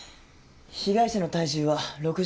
被害者の体重は６５キロ。